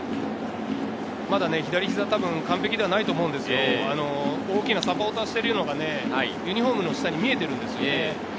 まだ左膝は完璧ではないと思うんですけど大きなサポーターをしているのがユニホームの下に見えているんですよ。